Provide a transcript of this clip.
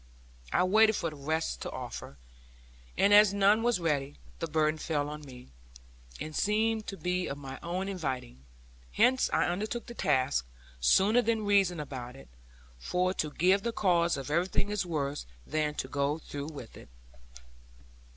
I waited for the rest to offer; and as none was ready, the burden fell on me, and seemed to be of my own inviting. Hence I undertook the task, sooner than reason about it; for to give the cause of everything is worse than to go through with it.